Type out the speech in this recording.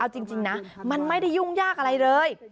เอาจริงนะมันไม่ได้ยุ่งยากอะไรเลย